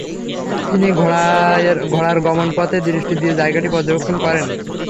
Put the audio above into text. তিনি ঘোড়ার গমন পথে দৃষ্টি দিয়ে জায়গাটি পর্যবেক্ষণ করেন।